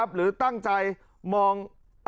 หรือตั้งใจมอง